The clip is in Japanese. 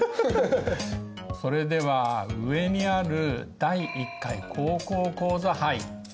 それでは上にある「第１回高校講座杯」。